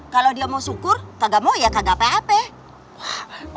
kalo dia mau syukur kagak mau ya kagak apa apa